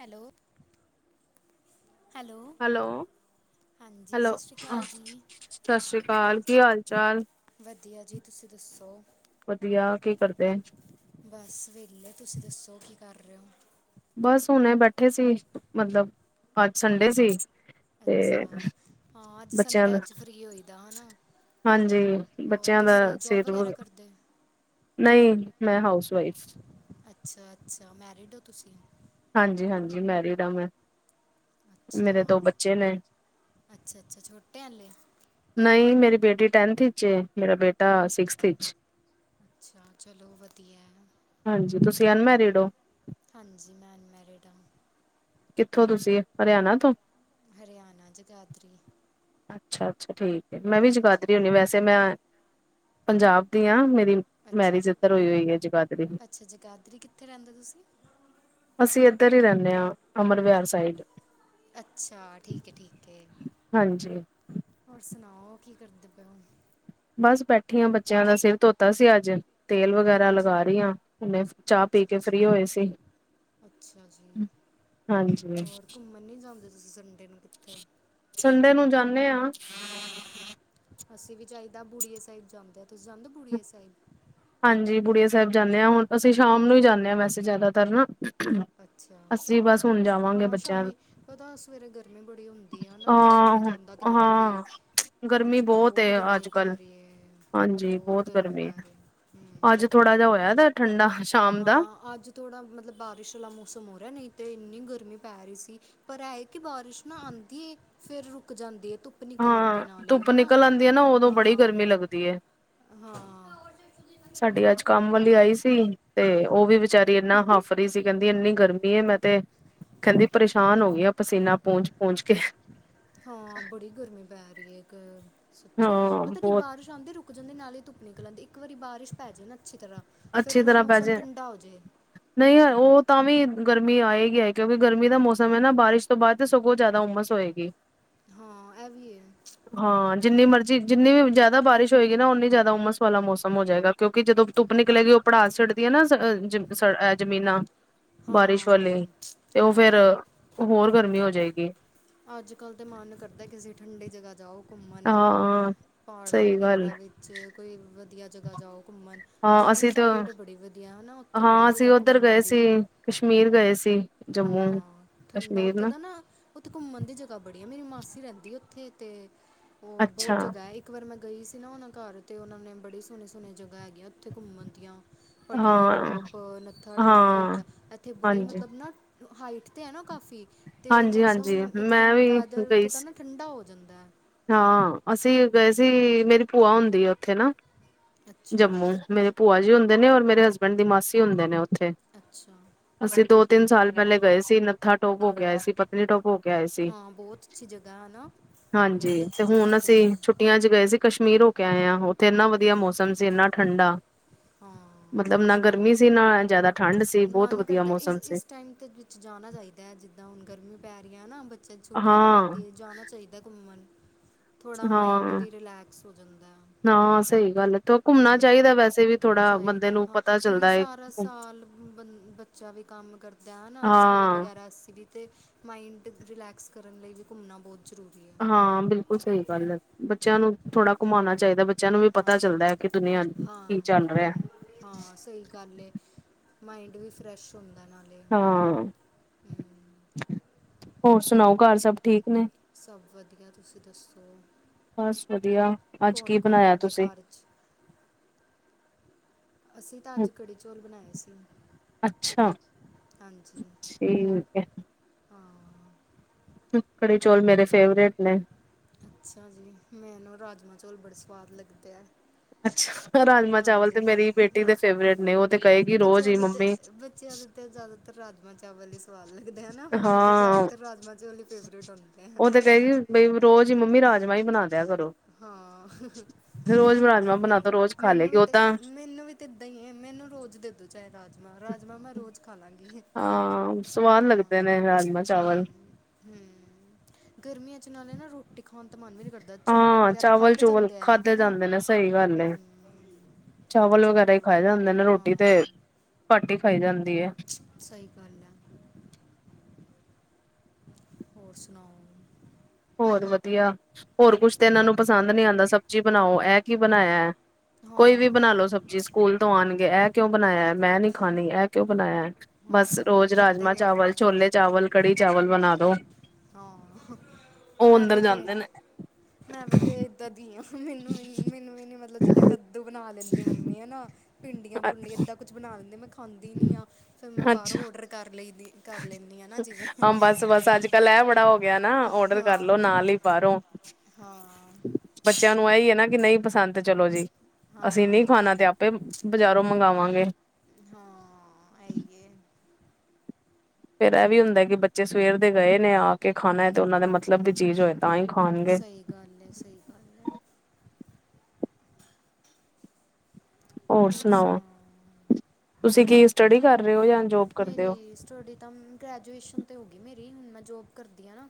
Hello, hello, ਹਾਂਜੀ hello ਸਤਿ ਸ਼੍ਰੀ ਅਕਾਲ ਜੀ ਸਤਿ ਸ਼੍ਰੀ ਅਕਾਲ, ਕੀ ਹਾਲ-ਚਾਲ? ਵਧੀਆ ਜੀ, ਤੁਸੀਂ ਦੱਸੋ? ਵਧੀਆ ਕੀ ਕਰਦੇ ਬਸ ਵਿਹਲੇ, ਤੁਸੀਂ ਦੱਸੋ ਕੀ ਕਰ ਰਹੇ ਹੋ? ਬਸ ਹੁਣੇ ਬੈਠੇ ਸੀ, ਮਤਲਬ ਅੱਜ ਸੰਡੇ ਸੀ ਤੇ ਅੱਛਾ ਹਾਂ ਅੱਜ ਬੱਚਿਆਂ ਸੰਡੇ ਦਾ ਅੱਜ ਫਰੀ ਹੋਈ ਦਾ ਨਾ। ਹਾਂਜੀ ਹੋਰ ਬੱਚਿਆਂ ਦਾ ਤੁਸੀਂ ਜੋਬ ਸਿਹਤ ਵ ਵਗੈਰਾ ਕਰਦੇ ਹੋ? ਨਹੀਂ ਮੈਂ ਹਾਊਸ ਵਾਈਫ ਅੱਛਾ-ਅੱਛਾ, ਮੈਰਿਡ ਹੋ ਤੁਸੀਂ? ਹਾਂਜੀ-ਹਾਂਜੀ, ਮੈਰਿਡ ਆ ਮੈਂ ਮੇਰੇ ਦੋ ਬੱਚੇ ਨੇ ਅੱਛਾ-ਅੱਛਾ-ਅੱਛਾ-ਛੋਟੇ, ਵਾਲੇ ਨਹੀਂ ਮੇਰੀ ਬੇਟੀ ਟੈਨਥ ਵਿਚ ਮੇਰਾ ਬੇਟਾ ਸਿਕਸਥ ਅੱਛਾ, ਚਲੋ ਵਧੀਆ ਹੈ। ਹਾਂਜੀ, ਤੁਸੀਂ ਅਨਮੈਰਿਡ ਹੋ? ਹਾਂਜੀ, ਮੈਂ ਅਨਮੈਰਿਡ ਹਾਂ ਕਿੱਥੋਂ ਤੁਸੀਂ ਹਰਿਆਣਾ ਤੋਂ? ਹਰਿਆਣਾ ਜਗਾਦਰੀ ਅੱਛਾ-ਅੱਛਾ ਠੀਕ ਹੈ, ਮੈਂ ਵੀ ਹਾਂਜੀ ਜਗਾਧਰੀ ਹੁੰਦੀ ਵੈਸੇ ਮੈਂ। ਪੰਜਾਬ ਦੀ ਆ ਮੇਰੀ ਅੱਛਾ ਮੈਰਿਜ ਇੱਧਰ ਹੋਈ ਹੋਈ ਐ, ਜਗਾਦਰੀ। ਅੱਛਾ ਜਗਾਦਰੀ ਕਿੱਥੇ ਰਹਿੰਦੇ ਤੁਸੀਂ ਅਸੀਂ ਇੱਧਰ ਹੀ ਰਹਿੰਦੇ ਹਾਂ, ਅਮਰਵਹਰ ਸਾਈਡ ਅੱਛਾ ਠੀਕ ਹੈ ਠੀਕ ਹੈ, ਹਾਂਜੀ ਹੋਰ ਸੁਣਾਓ ਕੀ ਕਰਦੇ ਪਏ ਹੁਣ? ਬਸ ਬੈਠੀ ਹਾਂ, ਬੱਚਿਆਂ ਦਾ ਸਿਰ ਧੋਤਾ ਸੀ ਅੱਜ ਤੇਲ ਵਗੈਰਾ ਅੱਛਾ ਲਗਾ ਰਹੀ ਹਾਂ, ਉਹਨੇ ਚਾਹ ਪੀ ਅੱਛਾ ਕੇ ਅੱਛਾ ਫ੍ਰਰੀ ਹੋਏ ਸੀ। ਅੱਛਾ ਜੀ, ਹਾਂਜੀ ਹੋਰ ਘੁੰਮਣ ਨਹੀਂ ਜਾਂਦੇ ਤੁਸੀਂ ਸੰਡੇ ਨੂੰ ਕਿੱਤੇ? ਸੰਡੇ ਨੂੰ ਜਾਦੇ ਹਾਂ। ਅਸੀ ਵੀ ਜਾਹੀਦਾ ਬੁੜੀਏ ਸਾਹਿਬ ਜਾਦੇ ਆ, ਤੁਸੀ ਜਾਦੇ ਹੋ ਬੁੜੀਏ ਸਾਹਿਬ? ਹਾਂਜੀ ਬੁੜੀਆ ਸਾਹਿਬ ਜਾਦੇ ਹਾਂ, ਹੁਣ ਅਸੀ ਸ਼ਾਮ ਨੂੰ ਹੀ ਜਾਦੇ ਹਾਂ ਵੈਸੇ ਜਿਆਦਾਤਰ ਨਾ ਅੱਛਾ, ਅਸੀਂ ਬਸ ਹੁਣ ਜਾਵਾਂਗੇ ਹਾਂ ਬੱਚਿਆਂ ਨੂੰ ਸ਼ਾਮੀ ਪਤਾ ਸਵੇਰੇ ਗਰਮੀ ਬੜੀ ਹੁੰਦੀ। ਨਾ ਜਾਇਆ ਹੀ ਹਾਂ ਨਹੀ ਹੁਣ ਜਾਦਾ ਕਿਥੇ ਵੀ ਹਾਂ ਗਰਮੀ ਅਜ-ਕਲ ਬਹੁਤ ਏ ਗਰਮੀ ਅੱਜ ਪੈ ਕੱਲ ਰਹੀ ਹੈ, ਹਾਂਜੀ ਬਹੁਤ ਬਹੁਤ ਗਰਮੀ ਪੈ ਹੈ, ਰਹੀ ਹੂੰ ਅਜ ਥੋੜਾ ਜਿਹਾ ਹੋਇਆ ਜਾ ਠੰਡਾ ਸ਼ਾਮ ਦਾ ਹਾਂ ਅਜ ਥੋੜ੍ਹਾ ਮਤਲਬ ਬਾਰਿਸ਼ ਵਾਲਾ ਮੌਸਮ ਹੋ ਰਿਹਾ, ਨਹੀ ਤਾਂ ਇਨੀ ਗਰਮੀ ਪੈ ਰਹੀ ਸੀ। ਪਰ ਇਹਏ ਕਿ ਬਾਰਿਸ਼ ਨਾ ਆਉਦੀ ਏ ਫਿਰ ਰੁਕ ਜਾਦੀ ਹੈ, ਧੁੱਪ ਧੁੱਪ ਨਿਕਲ ਆਦੀ ਐ ਹਾਂ ਨਾਲੇ ਧੁੱਪ ਹਨਾ ਨਿਕਲ ਆਉਂਦੀ ਹੈ ਨਾ ਉਦੋਂ ਬੜੀ ਹਾਂ, ਗਰਮੀ ਲੱਗਦੀ ਹੈ ਹਾਂ [unintelligible] ਸਾਡੀ ਅਜ ਕਮ ਵਾਲੀ ਆਈ ਸੀ, ਤੇ ਉਹ ਵੀ ਵਿਚਚਾਰੀ ਇਨਾ ਹਾਫ ਰਹੀ ਸੀ, ਕਹਿਦੀ ਇਨੀ ਗਰਮੀ ਹੈ, ਮੈਂ ਤੇ ਕਹਿਦੀ ਪਰੇਸ਼ਾਨ ਹੋ ਗਈ ਆ, ਪਸੀਨਾ ਪੂੰਜ ਪੂੰਜ ਕੇ ਹਾਂ ਬੜੀ ਗਰਮੀ ਪੈ ਰਹੀ ਹੈ, ਇਕ ਹਾਂ ਸੱਚੀ ਪਤਾ ਕੀ ਬਹੁਤ ਬਾਰਿਸ਼ ਨਾਲੇ ਰੁਕ ਜਾਦੇ ਨਾਲ ਹੀ ਧੁੱਪ ਨਿਕਲਦੇ ਇਕ ਵਾਰੀ ਬਾਰਿਸ਼ ਪੈ ਜਾਏ ਨਾ, ਅਛੀ ਤਰ੍ਹਾ ਫਿਰ ਥੋੜ੍ਹਾ ਮੌਸਮ ਠੰਡਾ ਹੋਜੇ ਨਹੀ ਉਹ ਤਾਂ ਵੀ ਗਰਮੀ ਆਏਗੀ ਹੈ, ਕਿਉਕਿ ਗਰਮੀ ਦਾ ਮੌਸਮ ਹੈ ਨਾ, ਬਾਰਿਸ਼ ਤੋਂ ਬਾਅਦ ਤੇ ਸਗੋਂ ਜ਼ਿਆਦਾ ਉਮਸ ਹੋਏਗੀ ਹਾਂ ਐਵੀ ਏ, ਹਾਂ ਜਿਨੀ ਮਰਜ਼ੀ ਜਿਨੀ ਵੀ ਜ਼ਿਆਦਾ ਬਾਰਿਸ਼ ਹੋਏਗੀ ਨਾ, ਉਨੀ ਜ਼ਿਆਦਾ ਉਮਸ ਵਾਲਾ ਮੌਸਮ ਹੋ ਜਾਏਗਾ, ਕਿਉਕਿ ਜਦੋ ਧੱਪ ਨਿਕਲੇ ਗ ਉਹ ਪੜਾਸ ਛਡਦੀਆਂ ਨਾ ਅ ਜ਼ਮੀਨਾਂ ਬਾਰਿਸ਼ ਹਾਂ ਵਾਲੀ ਤੇ ਉਹ ਫੇਰ ਹਾਂ ਹੋਰ ਗਰਮੀ ਹੋ ਜਾਏਗੀ। ਅਜ ਕਲ ਤਾਂ ਮਨ ਕਰਦਾ, ਕਿ ਅਸੀ ਠੰਡੀ ਜਗ੍ਹਾ ਜਾਓ ਘੁੰਮਣ ਹੈ ਨਾ, ਹਾਂ ਪਹਾੜਾਂ ਸਹੀ ਗੱਲ ਵਗੈਰਾ ਵਿਚ ਕੋਈ ਵਧੀਆ ਜਗ੍ਹਾ ਜਾਓ, ਘੁੰਮਣ ਹਾਂ ਜੰਮੂ ਅਸੀਂ ਤਾਂ ਸਾਈਡ ਬੜੀ ਵਧੀਆ ਨਾ ਉੱਥੇ ਬੜੀ ਹਾਂ ਅਸੀ ਜਗ੍ਹਾ ਉਧਰ ਘੁੰਮਣ ਗਏ ਸੀ, ਦੀ ਕਸ਼ਮੀਰ ਗਏ ਸੀ। ਜੰਮੂ ਹਾਂ ਠੰਡਾ ਉਥੇ ਦਾ ਨਾ ਉਥੇ ਘੁੰਮਣ ਦੀ ਜਗ੍ਹਾ ਬੜੀ ਆ ਮੇਰੀ ਮਾਸੀ ਰਹਿੰਦੀ ਉਥੇ ਤੇ ਉਹ ਅੱਛਾ ਬਹੁਤ ਜਗ੍ਹਾ ਹੈ। ਇਕ ਵਾਰ ਮੈ ਗਈ ਸੀ ਨਾ ਉਹਨਾ ਘਰ ਤੇ ਉਹਨਾ ਨੇ ਬੜੀ ਸੋਹਣੇ ਸੋਹਣ ਜਗ੍ਹਾ ਹੈਗੀਆਂ ਉਥੇ ਘੁੰਮਣ ਦੀਆ। ਪਟਨੀ ਹਾਂ ਟੋਪ ਨੱਥਾ ਟੋਪ ਹੋ ਹਾਂ ਗਿਆ ਇਥੇ ਬੜੀ ਹਾਂਜੀ ਮਤਲਬ ਨਾ ਹਾਈਟ ਤੇ ਹੈ। ਨਾ ਕਾਫੀ ਅਤੇ ਹਾਂਜੀ ਮੌਸਮ ਹਾਂਜੀ ਮੈਂ ਇਕਦਮ ਵੀ ਵੈਦਰ ਗਈ ਉਥੇ ਤਾਂ ਸੀ ਨਾ ਠੰਡਾ ਹੋ ਜਾਂਦਾ ਹਾਂ ਅਸੀ ਗਏ ਸੀ, ਮੇਰੀ ਭੂਆ ਹੁੰਦੀ ਆ ਉਥੇ ਨਾ ਅੱਛਾ ਜੰਮੂ ਮੇਰੇ ਭੂਆ ਜੀ ਹੁੰਦੇ ਨੇ, ਔਰ ਮੇਰੇ ਹਸਬੈਂਡ ਦੀ ਮਾਸੀ ਹੁੰਦੇ ਨੇ ਉਥੇ ਅੱਛਾ ਅਸੀ ਦੋ ਤਿਨ ਸਾਲ ਪਹਿਲੇ ਗਏ ਸੀ ਨੱਥਾ ਟੋਪ ਹੋ ਕੇ ਆਏ ਸੀ। ਟੋਪ ਹੋ ਕੇ ਆਏ ਸੀ ਹਾਂ ਬਹੁਤ ਅੱਛੀ ਜਗ੍ਹਾ ਹੈ ਨਾ ਹਾਂਜੀ ਬਹੁਤ ਜੀ ਅੱਛੀ ਤੇ ਜਗ੍ਹਾ ਹੁਣ ਹੈ ਅਸੀ ਘੁੰਮਣ ਛੁੱਟੀਆਂ 'ਚ ਗਏ ਸੀ। ਕਸ਼ਮੀਰ ਹੋ ਕੇ ਆਏ ਆਾ ਉਥੇ ਇਨਾ ਵਧੀਆ ਮੌਸਮ ਸੀ ਇਨਾ ਠੰਡਾ ਹਾਂ ਮਤਲਬ ਨਾ ਕਸ਼ਮੀਰ ਗਰਮੀ ਸੀ ਨਾ ਜ਼ਿਆਦਾ ਠੰਡ ਬਹੁਤ ਸੀ ਬਹੁਤ ਮਨ ਵਧੀਆ ਕਰਦਾ ਇਸ ਮੌਸਮ ਸੀ ਇਸ ਟਾਈਮ ਤੇ ਜਾਣਾ ਚਾਹੀਦਾ ਹੈ। ਜਿਦਾਂ ਹੁਣ ਗਰਮੀ ਪੈ ਰਹੀਆ ਨਾ ਬੱਚੇ ਛੁੱਟੀਆਂ ਹਾਂ ਪੈਂਦੀਆਂ ਜਾਣਾ ਚਾਹੀਦਾ ਘੁੰਮਣ ਥੋੜਾ ਮਾਈੰਡ ਵੀ ਰਿਲੈਕਸ ਹੋ ਜਾਦਾ ਹਾ ਸਹੀ ਗੱਲ ਏ। ਘੁੰਮਣਾ ਚਾਹੀਦਾ ਵੈਸੇ ਵੀ ਥੋੜਾ ਬੰਦੇ ਚਾਹੀਦਾ ਨੂੰ ਹਾਂ ਪਤਾ ਕਿਉਂਕਿ ਚੱਲਦਾ ਹੈ। ਸਾਰਾ ਸਾਲ ਬੰ- ਬੱਚਾ ਵੀ ਕੰਮ ਕਰਦਾ ਹਨਾ ਸਕੂਲ ਹਾਂ ਵਗੈਰਾ ਅਸੀ ਵੀ ਤੇ ਮਾਇੰਡ ਰਿਲੈਕਸ ਕਰਨ ਲਈ ਵੀ ਘੁੰਮਣਾ ਬਹੁਤ ਜ਼ਰੂਰੀ ਹੈ। ਹਾਂ ਬਿਲਕੁਲ ਸਹੀ ਗੱਲ ਹੈ ਬੱਚਿਆਂ ਨੂੰ ਥੋੜਾ ਘੁਮਾਉਣਾ ਚਾਹੀਦਾ ਬੱਚਿਆਂ ਨੂੰ ਵੀ ਹਾਂ ਪਤਾ ਚੱਲਦਾ ਹੈ। ਕਿ ਦੁਨੀਆਂ ਕੀ ਚੱਲ ਹਾਂ ਰਿਹਾ। ਹਾਂ ਸਹੀ ਗੱਲ ਮਾਇੰਡ ਵੀ ਫਰੈਸ਼ ਹੁੰਦਾ ਨਾਲੇ ਹਾਂ ਹੂੰ ਹੋਰ ਸੁਣਾਓ ਘਰ ਸਭ ਠੀਕ ਨੇ ਸਭ ਵਧੀਆ ਤੁਸੀ ਦਸੋ ਬਸ ਵਧੀਆ ਅੱਜ ਕੀ ਬਣਾਇਆ ਤੁਸੀਂ। ਘਰ 'ਚ ਅਸੀਂ ਤਾਂ ਅੱਜ ਕੜੀ ਚੌਲ ਬਣਾਏ ਸੀ। ਅੱਛਾ ਹਾਂਜੀ ਠੀਕ ਹੈ। ਹਾਂ। ਕੜੀ ਚੌਲ ਮੇਰੇ ਫੇਵਰੇਟ ਨੇ। ਅੱਛਾ ਜੀ ਮੈਨੂੰ ਰਾਜਮਾਂ ਚੋਲ ਬੜੇ ਸਵਾਦ ਲੱਗਦੇ ਆ। ਅੱਛਾ ਰਾਜਮਾਂ ਚਾਵਲ ਤੇ ਹਾਂਜੀ ਮੇਰੀ ਬੇਟੀ ਦੇ ਫੇਵਰੇਟ ਨੇ ਉਹ ਤੇ ਕਹੇਗੀ ਰੋਜ਼ ਹੀ ਮੰਮੀ। ਬੱਚਿਆ ਦੇ ਤੇ ਜ਼ਿਆਦਾਤਰ ਰਾਜਮਾ ਚਾਵਲ ਹੀ ਸਵਾਦ ਲੱਗਦੇ ਹਨ ਓਨਾ ਦੇ ਹਾਂ ਜ਼ਿਆਦਾਤਰ ਰਾਜਮਾਂ ਚੋਲ ਹੀ ਫੇਵਰੇਟ ਹੁੰਦੇ ਆ। ਉਹ ਤੇ ਏ ਬਈ ਰੋਜ਼ ਮੰਮੀ ਰਾਜਮਾ ਹੀ ਬਣਾ ਦਿਆ ਕਰੋ। ਹਾਂ ਰੋਜ਼ ਰਾਜਮਾਂ ਏਦਾਂ ਬਣਾ ਹੀ ਆ ਦੋ ਰੋਜ਼ ਖਾ ਮੈਨੂੰ ਲਏਗੀ ਵੀ ਉਹ ਤੇ ਤਾਂ ਮੈਨੂੰ ਵੀ ਇੱਦਾਂ ਹੀ ਹੈ ਮੈਨੂੰ ਰੋਜ਼ ਦੇ ਦੋ ਚਾਹੇ ਰਾਜਮਾਂ ਰਾਜਮਾਂ ਮੈਂ ਰੋਜ਼ ਖਾ ਲਾਂਗੀ। ਹਾਂ ਸਵਾਦ ਹਾਂ ਲੱਗਦੇ ਨੇ ਰਾਜਮਾਂ ਹੂੰ ਚਾਵਲ। ਹੂੰ ਗਰਮੀਆਂ ਚ ਨਾਲੇ ਨਾ ਰੋਟੀ ਖਾਣ ਦਾ ਮਨ ਵੀ ਨੀ ਕਰਦਾ। ਚਾਵਲ ਹਾਂ ਵਗੈਰਾ ਚਾਵਲ ਖਾਧੇ ਚੂਵਲ ਜਾਂਦੇ ਹੈ ਖਾਧੇ ਹਨਾ ਹੂੰ। ਜਾਂਦੇ ਨੇ ਸਹੀ ਗੱਲ ਏ ਚਾਵਲ ਵਗੈਰਾ ਹੀ ਚੌਲ ਖਏ ਜਾਂਦੇ ਨੇ ਰੋਟੀ ਹਾਂ ਤੇ ਘਟ ਹੀ ਖਾਈ ਜਾਂਦੀ ਹੈ। ਸਹੀ ਗੱਲ ਹੈ। ਹੋਰ ਸੁਣਾਓ। ਹੋਰ ਵਧੀਆ ਹੋਰ ਕੁਛ ਤਾਂ ਇਹਨਾਂ ਨੂੰ ਪਸੰਦ ਨਹੀਂ ਆਉਂਦਾ ਸਬਜ਼ੀ ਬਣਾਓ ਇਹ ਕੀ ਬਣਾਇਆ। ਹਾਂ ਕੋਈ ਵੀ ਬਣਾ ਲੋ ਸਬਜ਼ੀ ਸਕੂਲ ਤੋਂ ਆਉਣਗੇ ਇਹ ਕਿਉਂ ਬਣਾਇਆ ਮੈਂ ਨਹੀਂ ਖਾਣੀ ਇਹ ਕਿਉਂ ਬਣਾਇਆ। ਬਸ ਹਾਂ ਰੋਜ਼ ਇੱਦਾਂ ਰਾਜਮਾਂ ਹੀ ਹੁੰਦਾ ਚਾਵਲ, ਹੈ ਛੋਲੇ ਚਾਵਲ, ਕੜੀ ਚਾਵਲ ਬਣਾ ਦੋ। ਹਾਂ ਉਹ ਮੈਂ ਅੰਦਰ ਵੀ ਤੇ ਜਾਂਦੇ ਨੇ। -ਮੈਂ ਵੀ ਤੇ ਇਦਾ ਦੀ ਆ। ਮੈਨੂੰ ਵੀ ਮੈਨੂੰ ਵੀ ਨੀ ਮਤਲਬ ਜਿੱਦਾਂ ਕੱਦੂ ਬਣਾ ਲੈਂਦੀ ਮੰਮੀ ਹੈ ਨਾ। ਭਿੰਡੀਆਂ, ਭੁੰਡੀਆਂ ਇੱਦਾਂ ਕੁਛ ਬਣਾ ਦਿੰਦੇ ਮੈਂ ਖਾਂਦੀ ਨਹੀਂ ਹਾਂ ਫਿਰ ਮੈਂ ਬਾਹਰੋਂ ਅੱਛਾ ਔਡਰ ਕਰ ਲਈਦੀ। ਕਰ ਲੈਣੀ ਆ ਨਾ ਜਿਵੇਂ ਬਸ-ਬਸ ਤੇ ਅੱਜ-ਕੱਲ ਇਹ ਬੜਾ ਹੋ ਗਿਆ ਨਾ ਔਡਰ ਕਰਲੋ ਹਾਂ ਨਾਲ ਹੀ ਬਾਹਰੋਂ ਹਾਂ। ਬੱਚਿਆਂ ਨੂੰ ਇਹੀ ਹੈ ਨਾ ਕਿ ਨਹੀਂ ਪਸੰਦ ਤੇ ਚਲੋ ਜੀ ਅਸੀਂ ਨਹੀਂ ਹਾਂ ਖਾਣਾ ਤੇ ਆਪੇ ਬਜ਼ਾਰੋਂ ਮੰਗਵਾਗੇ। ਹਾਂ, ਅਹੀ ਯੇ। ਫੇਰ ਇਹ ਵੀ ਹੁੰਦਾ ਕਿ ਬੱਚੇ ਸਵੇਰ ਦੇ ਗਏ ਨੇ ਆ ਕੇ ਖਾਣਾ ਹੈ ਤੇ ਉਹਨਾਂ ਦੇ ਮਤਲਬ ਦੀ ਚੀਜ਼ ਹੋਏ ਤਾਂ ਹੀ ਖਾਣਗੇ। ਸਹੀ ਗੱਲ ਹੈ, ਸਹੀ ਗੱਲ ਹੈ। ਹੋਰ ਸੁਣਾਓ ਤੁਸੀਂ ਕੀ ਸਟੱਡੀ ਕਰ ਰਹੇ ਹੋ ਜਾਂ ਜੋਬ ਕਰਦੇ ਹੋ? ਮੇਰੀ ਸਟੱਡੀ ਤਾਂ ਗ੍ਰੈਜੂਏਸ਼ਨ ਤੇ ਹੋ ਗਈ ਮੇਰੀ। ਹੁਣ ਮੈਂ ਜੋਬ ਕਰਦੀ ਹਾਂ ਨਾ।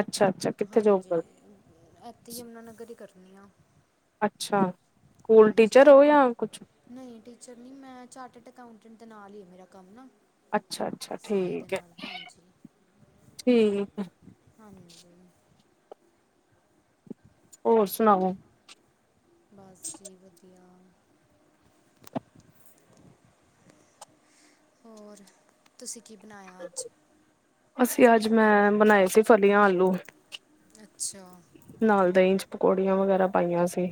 ਅੱਛਾ-ਅੱਛਾ ਕਿੱਥੇ ਜੋਬ ਹਾਂਜੀ। ਕਰਦੇ ਇੱਥੇ ਹੀ ਯਮੁਨਾ ਨਗਰ ਹੀ ਕਰਨੀ ਆ। ਅੱਛਾ। ਸਕੂਲ ਹਾਂਜੀ ਟੀਚਰ ਹੋ ਜਾਂ ਕੁਛ- ਨਹੀਂ, ਟੀਚਰ ਨਹੀਂ ਮੈਂ ਚਾਰਟਡ ਅਕਾਊਂਟੈਂਟ ਦੇ ਨਾਲ ਹੀ ਹਾਂ। ਮੇਰਾ ਕੰਮ ਨਾ ਅੱਛਾ- ਅੱਛਾ, ਸੀ ਏ ਦੇ ਠੀਕ ਹੈ ਨਾਲ ਹਾਂਜੀ -ਠੀਕ ਹੈ। ਹਾਂਜੀ। ਹੋਰ ਸੁਣਾਓ? ਬਸ ਜੀ ਵਧੀਆ। ਹੋਰ ਤੁਸੀਂ ਕੀ ਬਣਾਇਆ ਅੱਜ? ਅਸੀਂ ਅੱਜ ਮੈਂ ਬਣਾਏ ਸੀ ਫਲੀਆਂ- ਆਲੂ ਅੱਛਾ। ਨਾਲ ਦਹੀਂ 'ਚ ਪਕੌੜੀਆਂ ਵਗੈਰਾ ਪਾਈਆਂ ਸੀ।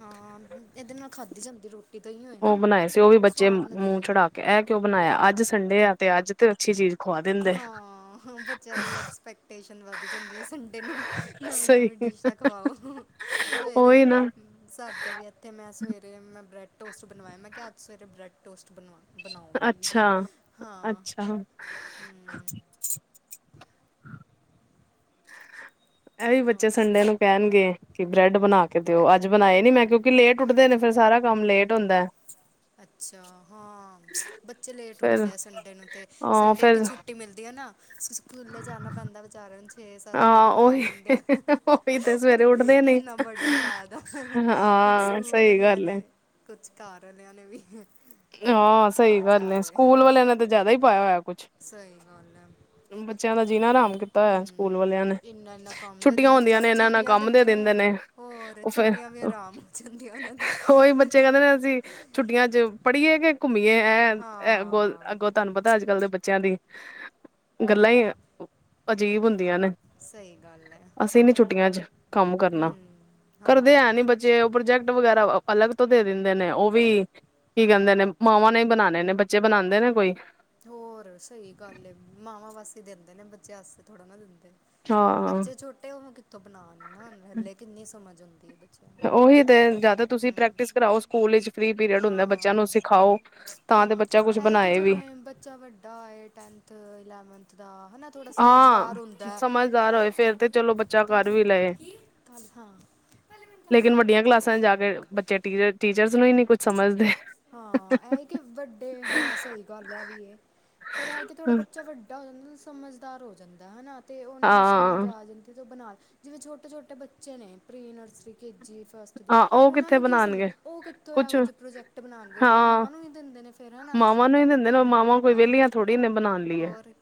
ਹਾਂ, ਇਹਦੇ ਨਾਲ ਖਾਧੀ ਜਾਂਦੀ ਰੋਟੀ। ਤਾਂ ਹੀ ਹੋਏ ਉਹ ਨਾ ਬਣਾਏ ਸੀ ਉਹ ਵੀ ਬੱਚੇ ਸਵਾਦ ਮੂੰਹ ਲੱਗਦੇ ਹੈ ਚੜਾ ਕੇ ਇਹ ਕਿਉਂ ਬਣਾਇਆ। ਅੱਜ ਸੰਡੇ ਆ ਤੇ ਅੱਜ ਤੇ ਅੱਛੀ ਚੀਜ਼ ਖਵਾ ਦਿੰਦੇ ਹਾਂ, ਬੱਚਿਆਂ ਦੀ ਐਕਸਪੈਕਟੇਸ਼ਨ ਵੱਧ ਜਾਂਦੀ ਹੈ ਸੰਡੇ ਨੂੰ। ਨਵੀਂ ਸਹੀ -ਨਵੀਂ ਡਿਸ਼ਾਂ ਖਵਾਓ। ਸਵੇਰੇ ਉਹੀ ਨਾ ਸਾਡੇ ਵੀ ਤੇ ਮੈਂ ਸਵੇਰੇ ਮੈਂ ਬ੍ਰੈਡ ਟੋਸਟ ਬਣਵਾਏ। ਕਿਹਾ ਅੱਜ ਸਵੇਰੇ ਬ੍ਰੈਡ ਟੋਸਟ ਬਣਵਾ। ਬਣਾਓ ਬਈ। ਅੱਛਾ-ਅੱਛਾ ਹਾਂ। ਹਮ, [unintelligible] ਇਹ ਵੀ ਬੱਚੇ ਹੋਰ ਸੁਣਾ ਸੰਡੇ ਨੂੰ ਕਹਿਣਗੇ ਕਿ ਬ੍ਰੈਡ ਬਣਾ ਕੇ ਦਿਓ। ਅੱਜ ਬਣਾਏ ਨੀ ਮੈਂ ਕਿਉਂਕਿ ਲੇਟ ਉੱਠਦੇ ਨੇ ਫਿਰ ਸਾਰਾ ਕੰਮ ਲੇਟ ਹੁੰਦਾ। ਅੱਛਾ। ਹਾਂ, ਬੱਚੇ ਲੇਟ ਫਿਰ ਉੱਠਦੇ ਆ ਸੰਡੇ ਨੂੰ ਤਾਂ ਹਾਂ ਸੰਡੇ ਇੱਕ ਫਿਰ ਛੁੱਟੀ ਰੁੋਟੀ ਮਿਲਦੀ ਹੈ ਨਾ ਸਕੂਲੇ ਜਾਣਾ ਪੈਂਦਾ ਵਿਚਾਰਿਆਂ ਨੂੰ ਛੇ -ਸੱਤ ਸੱਤ ਵਜੋਂ ਹਾਂ ਉਠਾ ਉਹੀ ਦਿੰਦੇ ਆ। ਉਹੀ ਤੇ ਸਵੇਰੇ ਉੱਠਦੇ ਨੀ ਇੰਨਾ ਬਰਡਨ ਪਾਦਾ ਕੁਛ ਹਾਂ ਸਕੂਲ ਸਹੀ ਵਾਲਿਆਂ ਗੱਲ ਨੇ ਏ ਕੁਛ ਘਰ ਵਾਲਿਆਂ ਨੇ ਵੀ ਹਾਂ, ਸਹੀ ਗੱਲ ਹੈ ਵਿਚਾਰੇ ਸਕੂਲ ਵਾਲਿਆਂ ਨੇ ਤਾਂ ਜਿਆਦਾ ਹੀ ਪਾਇਆ ਹੋਇਆ। ਕੁਛ ਸਹੀ ਗੱਲਹੈ। ਬੱਚਿਆਂ ਦਾ ਜੀਣਾ ਹਰਾਮ ਕੀਤਾ ਹੋਇਆ ਸਕੂਲ ਵਾਲਿਆਂ ਨੇ। ਇੰਨਾ ਇੰਨਾ ਕੰਮ ਦੇ ਛੁੱਟੀਆਂ ਦਿੰਦੇ ਹੁੰਦੀਆਂ ਨੇ ਵਿਚਾਰੇ ਇਹਨਾਂ ਨਾਲ ਛੁੱਟੀਆਂ ਕੰਮ ਦੇ ਦਿੰਦੇ ਨੇ। ਹੋਰ ਉਹ ਫੇਰ ਛੁੱਟੀਆਂ ਵੀ ਆਰਾਮ ਹੋ ਜਾਂਦੀ ਆ ਉਹਨਾਂ ਦੀ ਉਹੀ ਬੱਚੇ ਕਹਿੰਦੇ ਨੇ ਅਸੀਂ। ਛੁੱਟੀਆਂ ਚ' ਪੜ੍ਹੀਏ ਕਿ ਘੁੰਮੀਏ। ਐ ਅੱਗੋਂ ਹਾਂ ਅੱਗੋਂ ਤੁਹਾਨੂੰ ਪਤਾ ਅੱਜ ਕੱਲ੍ਹ ਦੇ ਬੱਚਿਆਂ ਦੀ ਗੱਲਾਂ ਹੀ ਅਜੀਬ ਹੁੰਦੀਆਂ ਨੇ। ਸਹੀ ਗੱਲ ਹੈ ਅਸੀਂ ਨੀ ਛੁੱਟੀਆਂ ਚ' ਕੰਮ ਕਰਨਾ ਹੂੰ ਹਾਂ ਕਰਦੇ ਐ ਨੀ ਬੱਚੇ। ਜੇ ਉਹ ਪ੍ਰੋਜੈਕਟ ਵਗੈਰਾ ਅਲੱਗ ਤੋਂ ਦੇ ਦਿੰਦੇ ਨੇ। ਉਹ ਵੀ ਕੀ ਕਹਿੰਦੇ ਨੇ ਮਾਵਾਂ ਨੇ ਬਣਾ ਨੇ ਬੱਚੇ ਬਣਾਉਂਦੇ ਨੇ ਕੋਈ ਹੋਰ ਸਹੀ ਗੱਲ ਮਾਵਾਂ ਵਾਸ ਦਿੰਦੇ ਨੇ ਬੱਚੇ ਵਸਤੇ ਥੋੜਾ ਨਾ ਦਿੰਦੇ। ਹਾਂ ਬੱਚੇ ਛੋਟੇ ਉਹ ਮੈਂ ਕਿੱਥੋਂ ਬਣਾ, ਲ ਹਲੇ ਕਿੰਨੀ ਸਮਝ ਆਉਦੀ ਆ। ਉਹੀ ਤੇ ਜਿਆਦਾ ਤੁਸੀਂ ਪ੍ਰੈਕਟਿਸ ਕਰਾਓ। ਸਕੂਲ ਵਿੱਚ ਫਰੀ ਪੀਰੀਅਡ ਹੁੰਦਾ ਹਾਂ ਬੱਚਿਆਂ ਨੂੰ ਸਿਖਾਓ। ਤਾਂ ਹੂੰ ਤੇ ਬੱਚਾ ਕੁਛ ਇਹ ਹੀ ਕਿ ਬਣਾਏ ਵੀ। ਜਿਵੇਂ ਬੱਚਾ ਵੱਡਾ ਆਏ ਟੈਥ- ਇਲੈਵਨਥ ਦਾ ਹਨਾ। ਹਾਂ, ਸਮਝਦਾਰ ਹੋਏ ਫੇਰ ਤੇ ਚਲੋ ਬੱਚਾ ਕਰ ਵੀ ਲਏ। ਕੀ? ਕੱਲ ਹਾਂ ਲੇਕਿਨ ਵੱਡੀਆਂ ਕਲਾਸਾਂ ਚ' ਜਾ ਕੇ ਬੱਚੇ ਟੀ -ਟੀਚਰਸ ਨੂੰ ਹੀ ਨਹੀਂ ਕੁਛ ਸਮਝਦੇ। ਹਾਂ, ਇਹ ਕਿ ਵੱਡੇ ਹਾਂ ਸਹੀ ਗੱਲ ਹੈ ਵੀ। ਇਹ ਪਰ ਇਹ ਕਿ ਥਹਾੜਡਾ ਬੱਚਾ ਵੱਡਾ ਟਾ ਹੋ ਜਾਂਦਾ ਸਮਝਦਾਰ ਹੋ ਜਾਂਦਾ ਹਨਾ। ਤੇ ਉਹਨੂੰ ਸਮਝ ਹਾਂ ਆ ਜਾਂਦੀ ਤੇ ਬਣਾ ਜਿਵੇਂ ਛੋਟੇ- ਛੋਟੇ ਬੱਚੇ ਨੇ ਪ੍ਰੀ ਨਰਸਰੀ ਕੇ ਜੀ। ਹਾਂ ਉਹ ਉਹਨਾਂ ਕਿੱਥੇ ਨੂੰ ਕੀ ਸਮਝ ਬਣਾਉਣਗੇ ਉਹ ਕਿੱਥੋਂ ਕੁਛ ਇਹੋ ਜਿਹੇ ਪ੍ਰੋਜੈਕਟ ਉੱਤੇ ਹਾਂ ਮਾਮਾ ਨੂੰ ਵੀ ਦਿੰਦੇ ਨੇ ਫੇਰ ਅਗ ਮਾਵਾਂ ਨੂੰ ਹੀ ਦਿੰਦੇ ਨੇ ਮਾਵਾਂ ਕੋਈ ਹਾਂ ਵਿਹਲੀਆਂ ਥੋੜ੍ਹੀ ਨੇ ਬਣਾਉਣ ਲਈ ਹੈ ਹੋਰ।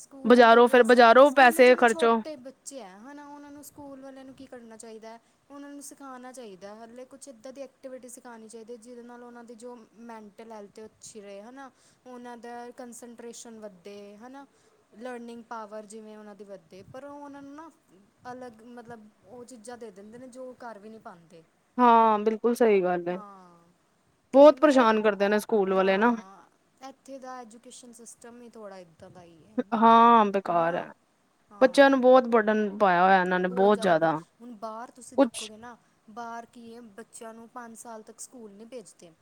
ਸਕੂਲਾਂ ਦੇ ਬਜ਼ਾਰੋਂ ਫੇਰ ਵੈਸੇ ਬਜ਼ਾਰੋਂ ਸਕੂਲੇ ਪੈਸੇ ਜਿਵੇਂ ਖਰਚੋ ਛੋਟੇ ਬੱਚੇ ਹੈ ਹਨਾ ਉਹਨਾਂ ਨੂੰ ਸਕੂਲ ਵਾਲਿਆਂ ਨੂੰ ਕੀ ਕਰਨਾ ਚਾਹੀਦਾ। ਉਹਨਾਂ ਨੂੰ ਸਿਖਾਉਣਾ ਚਾਹੀਦਾ ਹਲੇ ਕੁਛ ਇੱਦਾਂ ਦੀ ਐਕਟੀਵਿਟੀ ਸਿਖਾਉਣੀ ਚਾਹੀਦੀ ਜਿਹਦੇ ਨਾਲ ਉਹਨਾਂ ਤੇ ਜੋ ਮੈਂਟਲ ਹੈਲਥ ਅੱਛੀ ਰਹੇ ਹੈ ਨਾ ਉਹਨਾਂ ਦਾ ਕੰਸਟੇਸ਼ਨ ਵੱਧੇ ਹਨਾ। ਲਰਨਿੰਗ ਪਾਵਰ ਜਿਵੇਂ ਉਹਨਾਂ ਦੀ ਵੱਧੇ ਪਰ ਉਹ ਉਹਨਾਂ ਨੂੰ ਨਾ ਅਲੱਗ ਮਤਲਬ ਉਹ ਚੀਜ਼ਾਂ ਦੇ ਦਿੰਦੇ ਨੇ ਜੋ ਕਰ ਵੀ ਨਹੀਂ ਪਾਉਂਦੇ। ਹਾਂ ਬਿਲਕੁਲ ਸਹੀ ਗੱਲ ਹੈ। ਤੇ ਬਹੁਤ ਪਰੇਸ਼ਾਨ ਕਰਦੇ ਨੇ ਸਕੂਲ ਮਤਲਬ ਵਾਲੇ ਨਾ ਹਾਂ ਇੱਥੇ ਦਾ ਐਜੂਕੇਸ਼ਨ ਸਿਸਟਮ ਹੀ ਥੋੜ੍ਹਾ ਦਾ ਹੀ ਹੈ ਹਾਂ ਬੇਕਾਰ ਹਨਾ ਹੈ ਹਾਂ ਬੱਚਿਆਂ ਨੂੰ ਬਹੁਤ ਬੜਣ ਬਹੁਤ ਜ਼ਿਆਦਾ ਬੜਣ ਹੁਣ ਬਾਹਰ ਤੁਸੀਂ ਕੁਛ ਦੇਖੋਗੇ ਨਾ ਬਾਹਰ ਕੀਏ ਬੱਚਿਆਂ ਨੂੰ ਪੰਜ ਸਾਲ ਤੱਕ ਸਕੂਲ ਨਹੀਂ ਭੇਜਦੇ।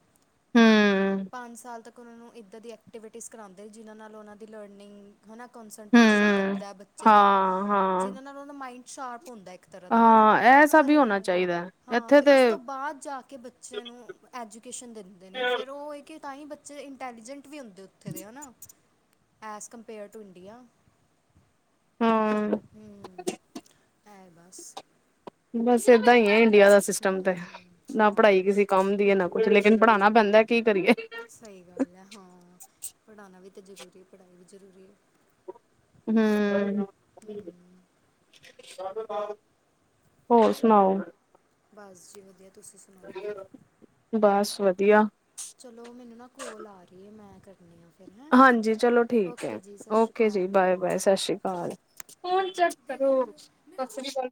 ਹਮ ਪੰਜ ਸਾਲ ਤੱਕ ਉਹਨਾਂ ਨੂੰ ਇੱਦਾਂ ਦੀ ਐਕਟੀਵਿਟੀਜ਼ ਕਰਾਉਂਦੇ ਜਿਨ੍ਹਾਂ ਨਾਲ ਉਹਨਾਂ ਦੀ ਲਰਨਿੰਗ ਹਨਾ ਕੋਂਸਟੇਸ਼ਨ ਹਮ ਵੱਧਦਾ ਬੱਚੇ ਦਾ ਹਾਂ ਹਾਂ ਜਿਹਨਾਂ ਨਾਲ ਉਹਦਾ ਮਾਇੰਡ ਸ਼ਾਰਪ ਹੁੰਦਾ ਇੱਕ ਤਰ੍ਹਾਂ ਦਾ ਹਨਾ ਹਾਂ ਇਹ ਸਭ ਪਰ ਹੀ ਹੋਣਾ ਚਾਹੀਦਾ ਹੈ। ਹਾਂ ਇੱਥੇ ਫਿਰ ਤੇ ਉਸ ਤੋਂ ਬਾਅਦ ਜਾ ਕੇ ਬੱਚਿਆਂ ਨੂੰ ਐਜੂਕੇਸ਼ਨ ਦਿੰਦੇ ਨੇ ਫਿਰ ਉਹ ਹੈ ਕਿ ਤਾਂ ਹੀ ਬੱਚਾ ਇੰਟੈਲੀਜੈਂਟ ਵੀ ਹੁੰਦੇ ਉੱਥੇ ਦੇ ਹੈ ਨਾ ਐਜ਼ ਕੰਪੇਅਰ ਟੂ ਇੰਡੀਆ। ਹੂੰ ਹੂੰ ਹੈ ਬਸ। ਬਸ ਏਦਾਂ ਹੀ ਹੈ ਇੰਡੀਆ ਦਾ ਹੂੰ ਸਿਸਟਮ ਤੇ ਨਾ ਹਾਂ ਪੜ੍ਹਾਈ ਕਿਸੇ ਕੰਮ ਦੀ ਹੈ ਨਾ ਕੁੱਛ ਲੇਕਿਨ ਪੜ੍ਹਾਉਣਾ ਪੈਂਦਾ ਕੀ ਕਰੀਏ। ਸਹੀ ਗੱਲ ਹੈ ਹਾਂ ਪੜ੍ਹਾਉਣਾ ਵੀ ਤਾਂ ਜ਼ਰੂਰੀ ਪੜ੍ਹਾਈ ਵੀ ਜ਼ਰੂਰੀ। ਹੂੰ। ਹੂੰ ਹੋਰ ਸੁਣਾਓ। ਬਸ ਜੀ ਵਧੀਆ ਤੁਸੀਂ ਸੁਣਾਓ। ਬਸ ਵਧੀਆ ਚਲੋ ਮੈਨੂੰ ਨਾ ਕੋਲ ਆ ਰਹੀ ਹੈ ਮੈਂ ਕਰਦੀ ਹਾਂਜੀ ਚਲੋ ਠੀਕ ਹੈ ਜੀ ਸਤਿ ਸ਼੍ਰੀ ਓਕੇ ਜੀ ਅਕਾਲ ਬਾਏ ਬਾਏ ਸਤਿ ਸ੍ਰੀ ਅਕਾਲ। ਫੋਨ ਚੈੱਕ ਦੇ ਦੇ ਕਰੋ ਹੁਣ ਸਤਿ ਮੇਰਾ ਸ੍ਰੀ ਅਕਾਲ।